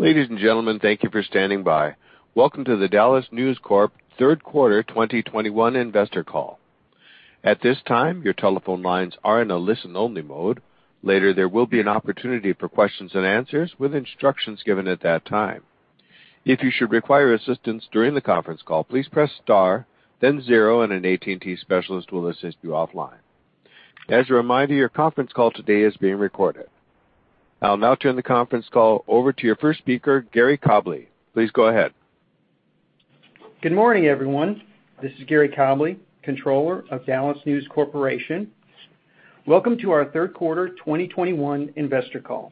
Ladies and gentlemen, thank you for standing by. Welcome to the DallasNews Corp. Third Quarter 2021 investor call. At this time, your telephone lines are in a listen-only mode. Later, there will be an opportunity for questions and answers with instructions given at that time. If you should require assistance during the conference call, please press star, then zero, and an AT&T specialist will assist you offline. As a reminder, your conference call today is being recorded. I'll now turn the conference call over to your first speaker, Gary Cobleigh. Please go ahead. Good morning, everyone. This is Gary Cobleigh, Controller of DallasNews Corporation. Welcome to our third quarter 2021 investor call.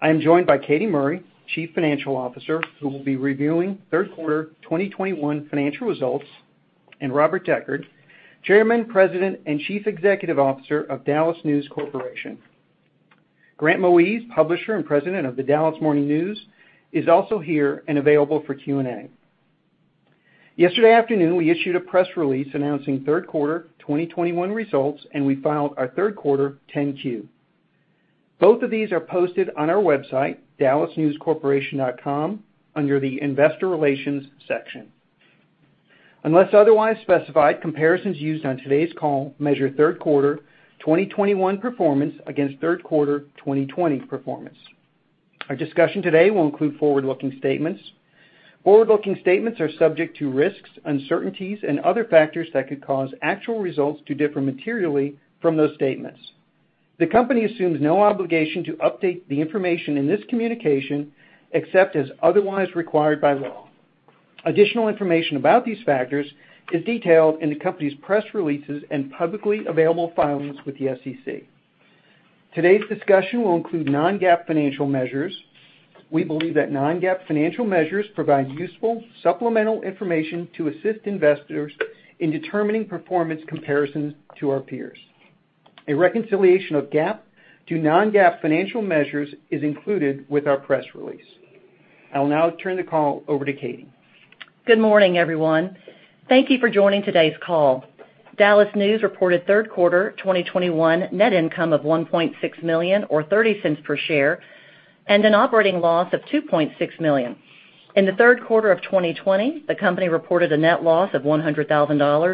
I am joined by Katy Murray, Chief Financial Officer, who will be reviewing third quarter 2021 financial results, and Robert Decherd, Chairman, President, and Chief Executive Officer of DallasNews Corporation. Grant Moise, Publisher and President of The Dallas Morning News, is also here and available for Q&A. Yesterday afternoon, we issued a press release announcing third quarter 2021 results, and we filed our third quarter 10-Q. Both of these are posted on our website, dallasnewscorporation.com, under the investor relations section. Unless otherwise specified, comparisons used on today's call measure third quarter 2021 performance against third quarter 2020 performance. Our discussion today will include forward-looking statements. Forward-looking statements are subject to risks, uncertainties, and other factors that could cause actual results to differ materially from those statements. The company assumes no obligation to update the information in this communication, except as otherwise required by law. Additional information about these factors is detailed in the company's press releases and publicly available filings with the SEC. Today's discussion will include non-GAAP financial measures. We believe that non-GAAP financial measures provide useful supplemental information to assist investors in determining performance comparisons to our peers. A reconciliation of GAAP to non-GAAP financial measures is included with our press release. I will now turn the call over to Katy. Good morning, everyone. Thank you for joining today's call. Dallas News reported third quarter 2021 net income of $1.6 million, or $0.30 per share, and an operating loss of $2.6 million. In the third quarter of 2020, the company reported a net loss of $100,000,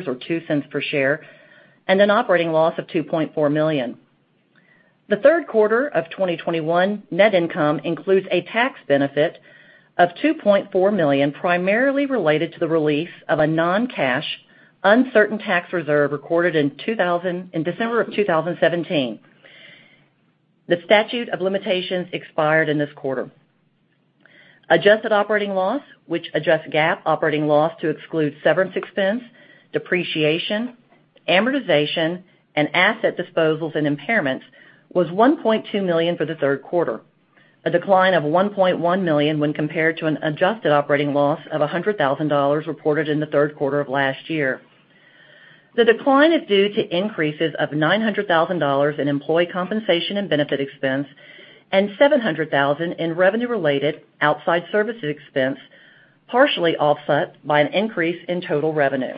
or $0.02 per share, and an operating loss of $2.4 million. The third quarter of 2021 net income includes a tax benefit of $2.4 million, primarily related to the release of a non-cash uncertain tax reserve recorded in December of 2017. The statute of limitations expired in this quarter. Adjusted operating loss, which adjusts GAAP operating loss to exclude severance expense, depreciation, amortization, and asset disposals and impairments, was $1.2 million for the third quarter, a decline of $1.1 million when compared to an adjusted operating loss of $100,000 reported in the third quarter of last year. The decline is due to increases of $900,000 in employee compensation and benefit expense and $700,000 in revenue-related outside services expense, partially offset by an increase in total revenue.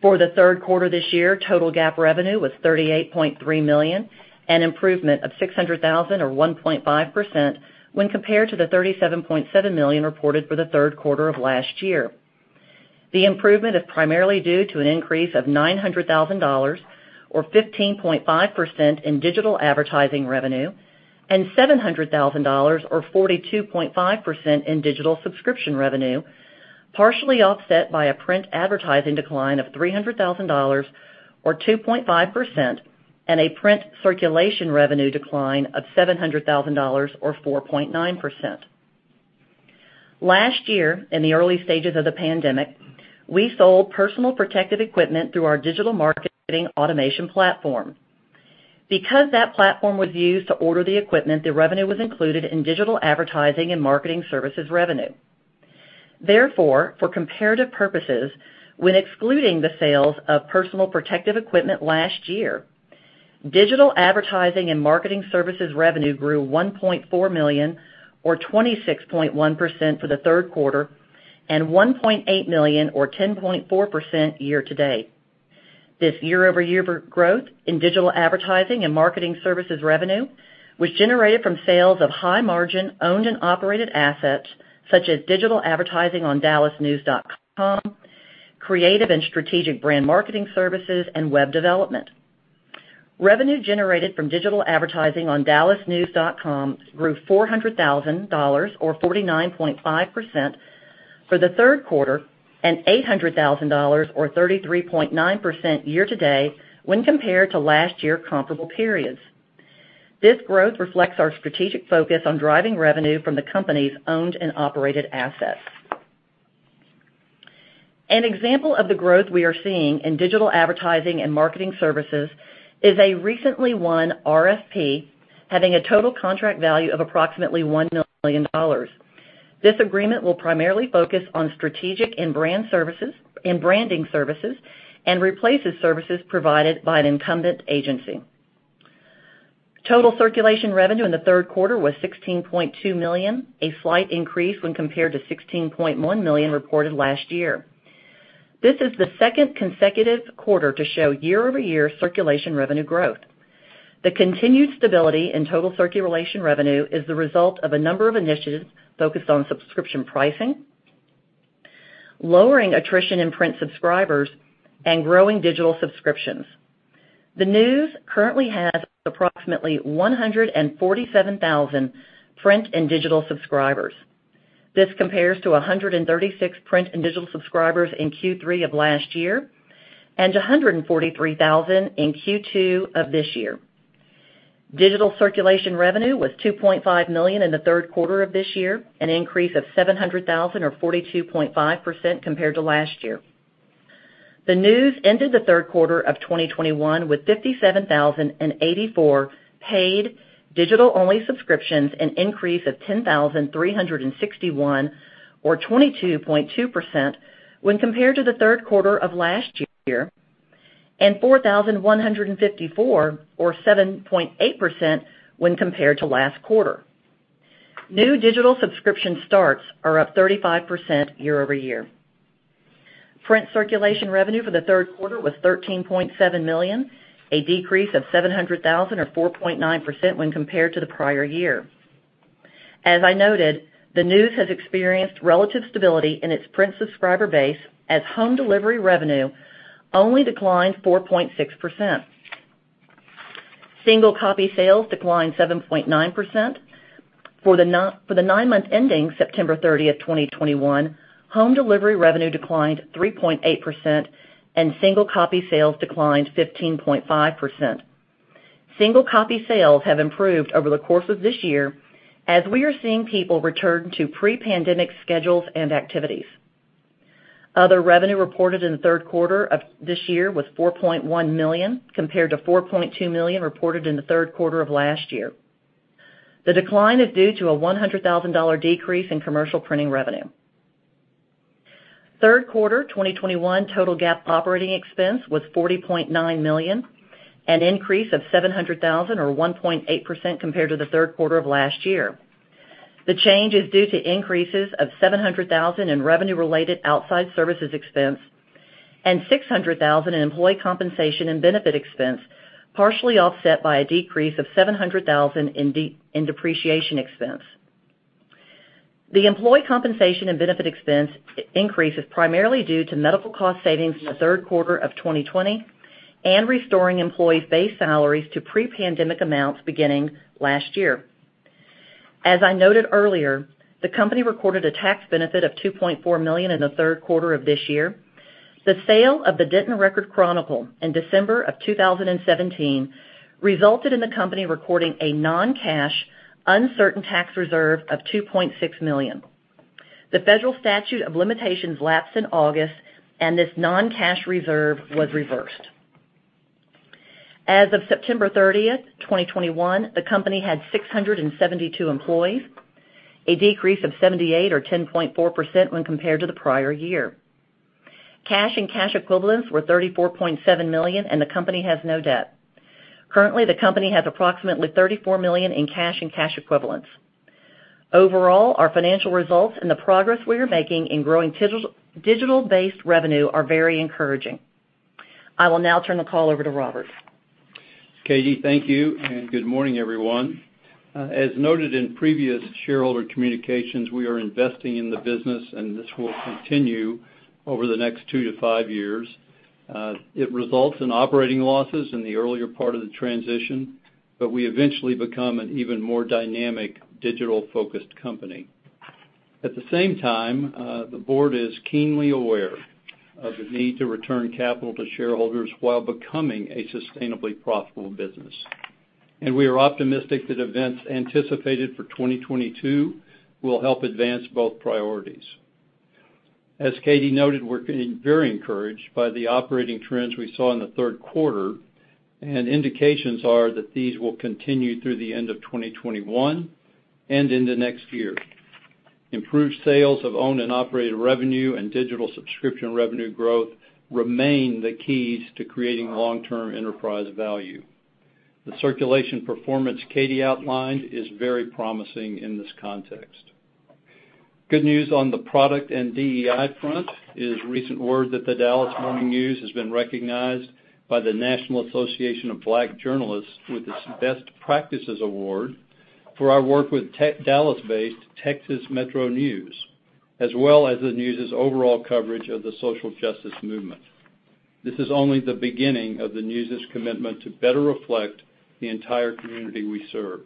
For the third quarter this year, total GAAP revenue was $38.3 million, an improvement of $600,000, or 1.5%, when compared to the $37.7 million reported for the third quarter of last year. The improvement is primarily due to an increase of $900,000, or 15.5%, in digital advertising revenue, and $700,000, or 42.5%, in digital subscription revenue, partially offset by a print advertising decline of $300,000, or 2.5%, and a print circulation revenue decline of $700,000, or 4.9%. Last year, in the early stages of the pandemic, we sold personal protective equipment through our digital marketing automation platform. Because that platform was used to order the equipment, the revenue was included in digital advertising and marketing services revenue. Therefore, for comparative purposes, when excluding the sales of personal protective equipment last year, digital advertising and marketing services revenue grew $1.4 million, or 26.1%, for the third quarter, and $1.8 million, or 10.4%, year to date. This year-over-year growth in digital advertising and marketing services revenue was generated from sales of high margin owned and operated assets, such as digital advertising on dallasnews.com, creative and strategic brand marketing services, and web development. Revenue generated from digital advertising on dallasnews.com grew $400,000, or 49.5%, for the third quarter, and $800,000, or 33.9%, year to date when compared to last year comparable periods. This growth reflects our strategic focus on driving revenue from the company's owned and operated assets. An example of the growth we are seeing in digital advertising and marketing services is a recently won RFP having a total contract value of approximately $1 million. This agreement will primarily focus on strategic and branding services and replaces services provided by an incumbent agency. Total circulation revenue in the third quarter was $16.2 million, a slight increase when compared to $16.1 million reported last year. This is the second consecutive quarter to show year-over-year circulation revenue growth. The continued stability in total circulation revenue is the result of a number of initiatives focused on subscription pricing, lowering attrition in print subscribers, and growing digital subscriptions. The News currently has approximately 147,000 print and digital subscribers. This compares to 136 print and digital subscribers in Q3 of last year, and 143,000 in Q2 of this year. Digital circulation revenue was $2.5 million in the third quarter of this year, an increase of $700,000 or 42.5% compared to last year. The News ended the third quarter of 2021 with 57,084 paid digital-only subscriptions, an increase of 10,361 or 22.2% when compared to the third quarter of last year, and 4,154 or 7.8% when compared to last quarter. New digital subscription starts are up 35% year-over-year. Print circulation revenue for the third quarter was $13.7 million, a decrease of $700,000 or 4.9% when compared to the prior year. As I noted, The News has experienced relative stability in its print subscriber base as home delivery revenue only declined 4.6%. Single copy sales declined 7.9%. For the nine-month ending September 30th, 2021, home delivery revenue declined 3.8%, and single copy sales declined 15.5%. Single copy sales have improved over the course of this year as we are seeing people return to pre-pandemic schedules and activities. Other revenue reported in the third quarter of this year was $4.1 million compared to $4.2 million reported in the third quarter of last year. The decline is due to a $100,000 decrease in commercial printing revenue. Third quarter 2021 total GAAP operating expense was $40.9 million, an increase of $700,000 or 1.8% compared to the third quarter of last year. The change is due to increases of $700,000 in revenue related outside services expense and $600,000 in employee compensation and benefit expense, partially offset by a decrease of $700,000 in depreciation expense. The employee compensation and benefit expense increase is primarily due to medical cost savings in the third quarter of 2020 and restoring employees' base salaries to pre-pandemic amounts beginning last year. As I noted earlier, the company recorded a tax benefit of $2.4 million in the third quarter of this year. The sale of the Denton Record-Chronicle in December of 2017 resulted in the company recording a non-cash uncertain tax reserve of $2.6 million. The federal statute of limitations lapsed in August, and this non-cash reserve was reversed. As of September 30th, 2021, the company had 672 employees, a decrease of 78% or 10.4% when compared to the prior year. Cash and cash equivalents were $34.7 million and the company has no debt. Currently, the company has approximately $34 million in cash and cash equivalents. Overall, our financial results and the progress we are making in growing digital-based revenue are very encouraging. I will now turn the call over to Robert. Katy, thank you, and good morning, everyone. As noted in previous shareholder communications, we are investing in the business and this will continue over the next two to five years. It results in operating losses in the earlier part of the transition, but we eventually become an even more dynamic digital-focused company. At the same time, the board is keenly aware of the need to return capital to shareholders while becoming a sustainably profitable business. We are optimistic that events anticipated for 2022 will help advance both priorities. As Katy noted, we're very encouraged by the operating trends we saw in the third quarter, and indications are that these will continue through the end of 2021 and into next year. Improved sales of owned and operated revenue and digital subscription revenue growth remain the keys to creating long-term enterprise value. The circulation performance Katy outlined is very promising in this context. Good news on the product and DEI front is recent word that The Dallas Morning News has been recognized by the National Association of Black Journalists with its Best Practices Award for our work with Dallas-based Texas Metro News, as well as the News' overall coverage of the social justice movement. This is only the beginning of the News' commitment to better reflect the entire community we serve.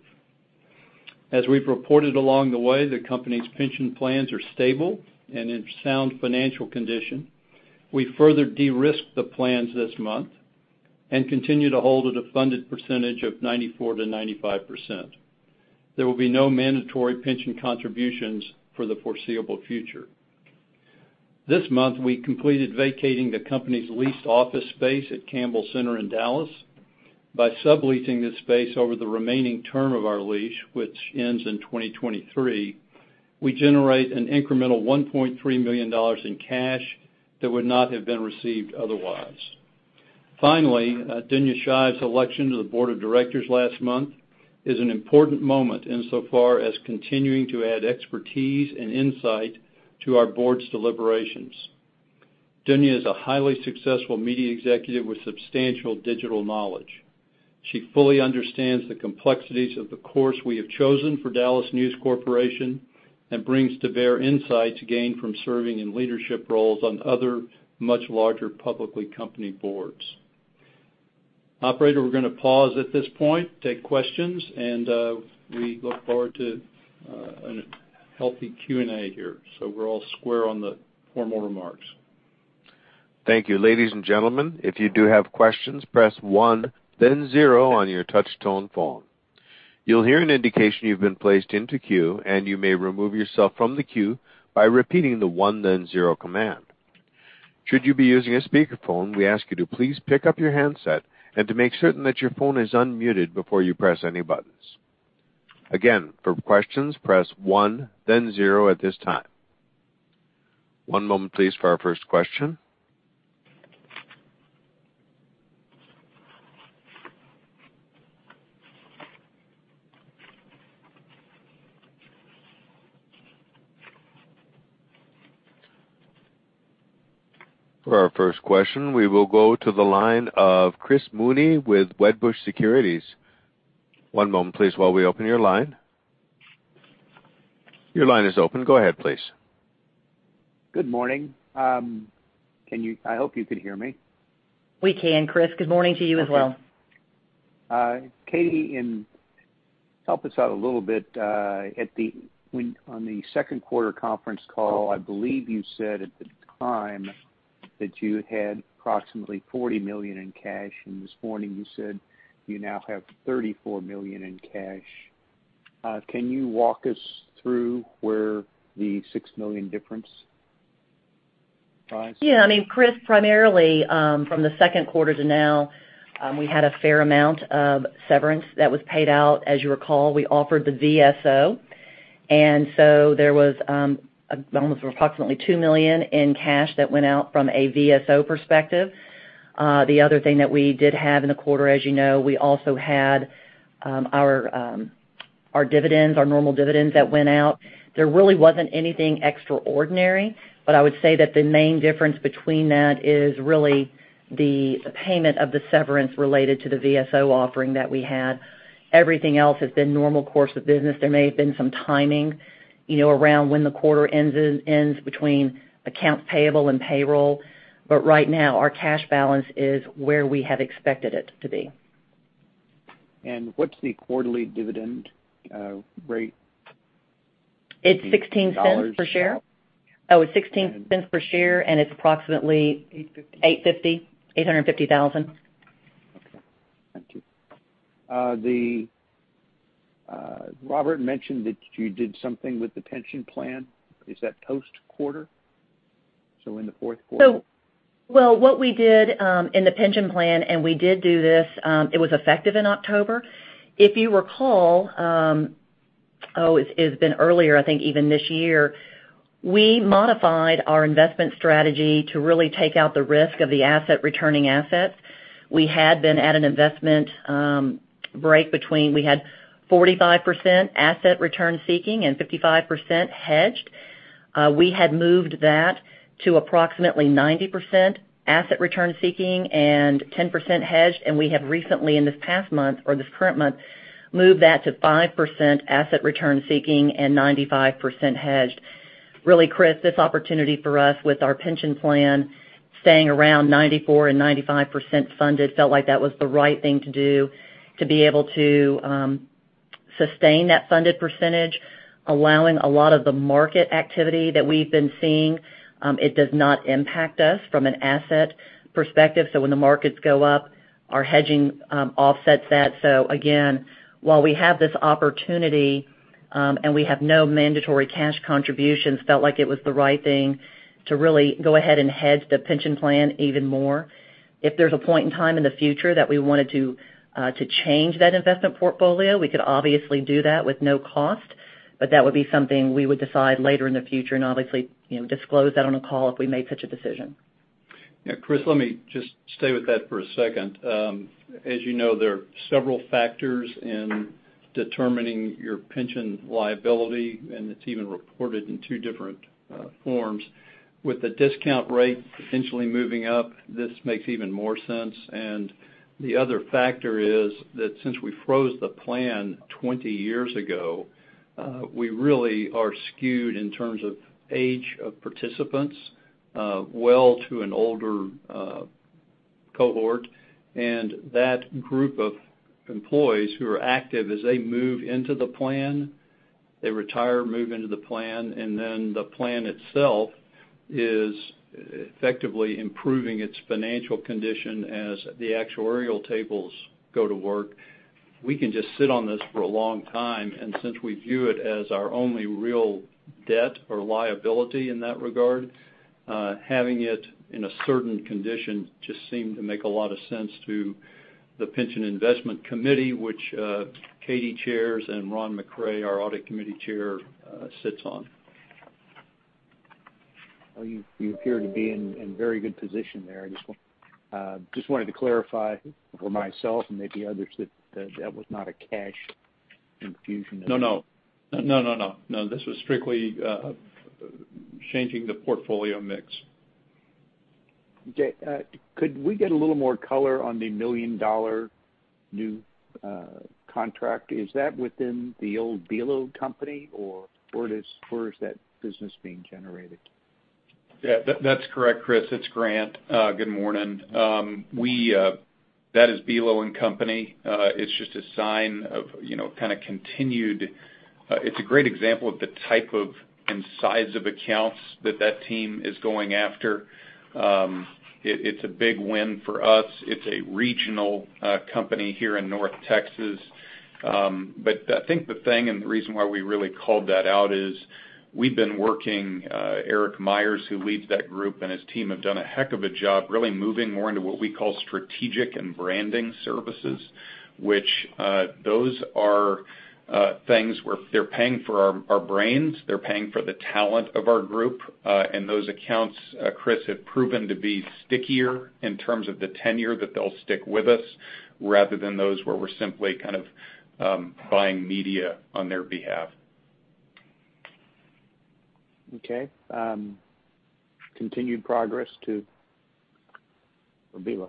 As we've reported along the way, the company's pension plans are stable and in sound financial condition. We further de-risked the plans this month and continue to hold at a funded percentage of 94%-95%. There will be no mandatory pension contributions for the foreseeable future. This month, we completed vacating the company's leased office space at Campbell Center in Dallas. By subleasing this space over the remaining term of our lease, which ends in 2023, we generate an incremental $1.3 million in cash that would not have been received otherwise. Finally, Dunia Shive's election to the board of directors last month is an important moment insofar as continuing to add expertise and insight to our board's deliberations. Dunia is a highly successful media executive with substantial digital knowledge. She fully understands the complexities of the course we have chosen for DallasNews Corporation and brings to bear insights gained from serving in leadership roles on other much larger publicly company boards. Operator, we're going to pause at this point, take questions, and we look forward to a healthy Q&A here. We're all square on the formal remarks. Thank you. Ladies and gentlemen, if you do have questions, press one, then zero on your touch-tone phone. You'll hear an indication you've been placed into queue, and you may remove yourself from the queue by repeating the one, then zero command. Should you be using a speakerphone, we ask you to please pick up your handset and to make certain that your phone is unmuted before you press any buttons. Again, for questions press one, then zero at this time. One moment please for our first question. For our first question, we will go to the line of Chris Mooney with Wedbush Securities. One moment, please while we open your line. Your line is open. Go ahead, please. Good morning. I hope you can hear me. We can, Chris. Good morning to you as well. Okay. Katy, help us out a little bit. On the second quarter conference call, I believe you said at the time that you had approximately $40 million in cash, and this morning you said you now have $34 million in cash. Can you walk us through where the $6 million difference lies? Yeah, Chris, primarily, from the second quarter to now, we had a fair amount of severance that was paid out. As you recall, we offered the VSO, and so there was almost approximately $2 million in cash that went out from a VSO perspective. The other thing that we did have in the quarter, as you know, we also had our normal dividends that went out. There really wasn't anything extraordinary, but I would say that the main difference between that is really the payment of the severance related to the VSO offering that we had. Everything else has been normal course of business. There may have been some timing around when the quarter ends between accounts payable and payroll. Right now our cash balance is where we have expected it to be. What's the quarterly dividend rate? It's $0.16 per share. Oh, it's $0.16 per share, and it's approximately $850,000. Okay. Thank you. Robert mentioned that you did something with the pension plan. Is that post-quarter? In the fourth quarter? What we did in the pension plan, and we did do this, it was effective in October. If you recall, it's been earlier, I think even this year, we modified our investment strategy to really take out the risk of the asset returning assets. We had been at an investment break between we had 45% asset return seeking and 55% hedged. We had moved that to approximately 90% asset return seeking and 10% hedged. We have recently, in this past month or this current month, moved that to 5% asset return seeking and 95% hedged. Really, Chris, this opportunity for us with our pension plan staying around 94% and 95% funded, felt like that was the right thing to do to be able to sustain that funded percentage, allowing a lot of the market activity that we've been seeing, it does not impact us from an asset perspective. When the markets go up, our hedging offsets that. Again, while we have this opportunity, and we have no mandatory cash contributions, felt like it was the right thing to really go ahead and hedge the pension plan even more. If there's a point in time in the future that we wanted to change that investment portfolio, we could obviously do that with no cost, but that would be something we would decide later in the future and obviously disclose that on a call if we made such a decision. Yeah, Chris, let me just stay with that for a second. As you know, there are several factors in determining your pension liability, and it's even reported in two different forms. With the discount rate potentially moving up, this makes even more sense, and the other factor is that since we froze the plan 20 years ago, we really are skewed in terms of age of participants, well to an older cohort, and that group of employees who are active as they move into the plan, they retire, move into the plan, and then the plan itself is effectively improving its financial condition as the actuarial tables go to work. We can just sit on this for a long time, and since we view it as our only real debt or liability in that regard, having it in a certain condition just seemed to make a lot of sense to the pension investment committee, which Katy chairs and Ron McCray, our Audit Committee Chair, sits on. You appear to be in very good position there. I just wanted to clarify for myself and maybe others that that was not a cash infusion? No. This was strictly changing the portfolio mix. Okay. Could we get a little more color on the million-dollar new contract? Is that within the old Belo company, or where is that business being generated? Yeah, that's correct, Chris. It's Grant. Good morning. That is Belo & Company. It's a great example of the type of and size of accounts that team is going after. It's a big win for us. It's a regional company here in North Texas. I think the thing and the reason why we really called that out is we've been working, Eric Myers, who leads that group, and his team have done a heck of a job really moving more into what we call strategic and branding services, which those are things where they're paying for our brains. They're paying for the talent of our group. Those accounts, Chris, have proven to be stickier in terms of the tenure that they'll stick with us rather than those where we're simply kind of buying media on their behalf. Okay. Continued progress to Belo.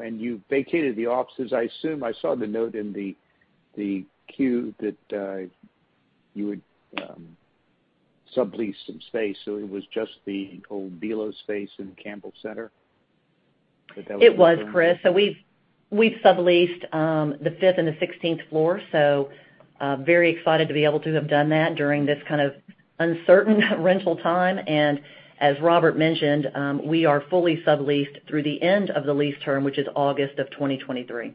You vacated the offices, I assume. I saw the note in the Q that you would sublease some space. It was just the old Belo space in Campbell Center? It was, Chris. We've subleased the fifth and the 16th floor, so very excited to be able to have done that during this kind of uncertain rental time. As Robert mentioned, we are fully subleased through the end of the lease term, which is August of 2023.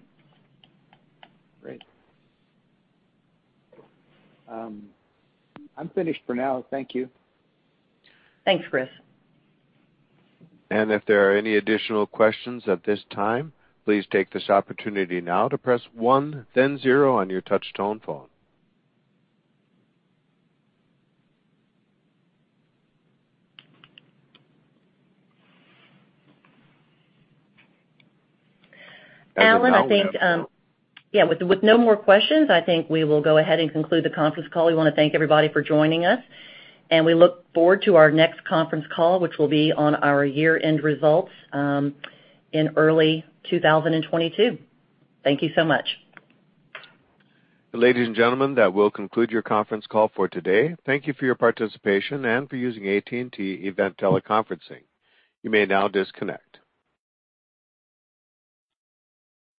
Great. I'm finished for now. Thank you. Thanks, Chris. And if there are any additional questions at this time, please take this opportunity now to press one, then zero on your touch-tone phone. Alan, I think, yeah, with no more questions, I think we will go ahead and conclude the conference call. We want to thank everybody for joining us. We look forward to our next conference call, which will be on our year-end results in early 2022. Thank you so much. Ladies and gentlemen, that will conclude your conference call for today. Thank you for your participation and for using AT&T Event Teleconferencing. You may now disconnect.